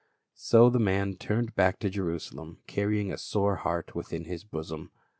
So the young man turned back to Jerusalem, car rying a sore heart within his bosom.